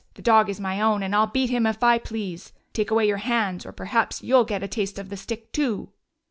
The dog is my own, and I 'll beat him if I please. Take away your hands, or perhaps you 'll get a taste of the stick, too